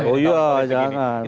oh iya jangan